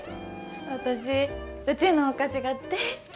私うちのお菓子が大好き。